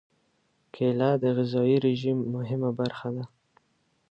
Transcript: کېله د غذايي رژیم مهمه برخه ده.